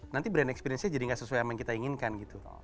nanti brand experience nya jadi gak sesuai sama yang kita inginkan gitu